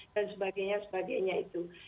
dan sebagainya sebagainya itu